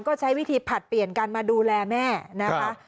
ก็ใช้วิธีผลัดเปลี่ยนกันมาดูแลแม่นะคะ